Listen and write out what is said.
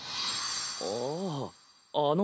あああの。